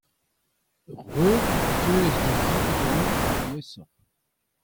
a-raok e teues da zebriñ ganeomp aliesoc'h.